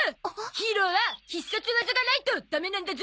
ヒーローは必殺技がないとダメなんだゾ。